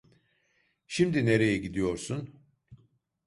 Şimdi nereye gidiyorsun?